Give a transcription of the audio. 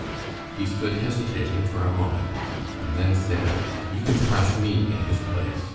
He stood hesitating for a moment, and then said, "You can thrash me in his place.